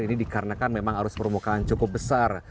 ini dikarenakan memang arus permukaan cukup besar